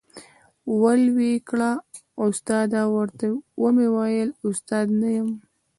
ول وې کړه ، استاده ، ورته ومي ویل استاد نه یم ،